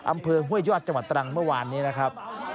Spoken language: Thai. อำเภอห้วยยอดจังหวัดตรังเมื่อวานนี้นะครับ